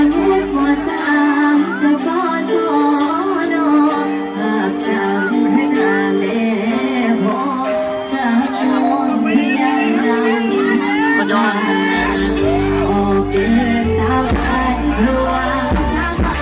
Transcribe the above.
ดีใจนั้นทุกคนที่มาให้เรา